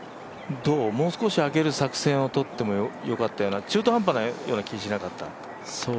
もう少し上げる作戦をとってもよかったような、中途半端な気がしなかった？